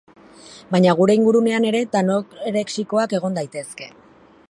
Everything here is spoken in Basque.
Baina gure ingurunean ere tanorexikoak egon daitezke.